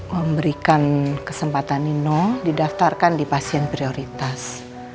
memberikan kesempatan nino didaftarkan di pasien prioritas